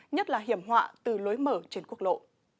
nhất là hiểm họa từ lối mở trên quốc lộ